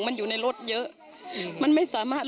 พร้อมด้วยผลตำรวจเอกนรัฐสวิตนันอธิบดีกรมราชทัน